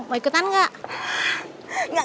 mau ikutan gak